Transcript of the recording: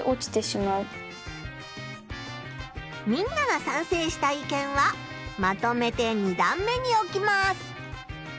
みんながさんせいした意見はまとめて２段目に置きます。